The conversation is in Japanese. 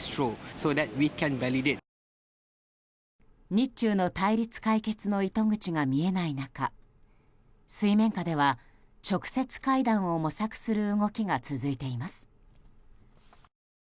日中の対立解決の糸口が見えない中水面下では、直接会談を模索する動きが続いています。